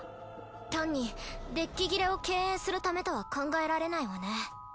単にデッキ切れを敬遠するためとは考えられないわね。